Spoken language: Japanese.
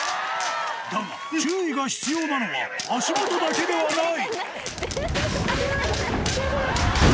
だが、注意が必要なのは足元だけではない。